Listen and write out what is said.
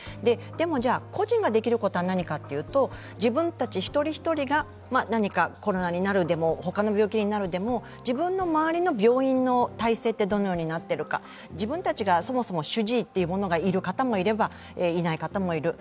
でも、個人ができることは何かというと、自分たち一人一人がコロナになるでも他の病気になるでも、自分の周りの病院の体制がどのようになっているか、自分たちがそもそも主治医がいる方もいればいない方もいる。